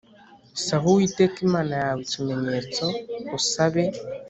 Saba Uwiteka Imana yawe ikimenyetso usabe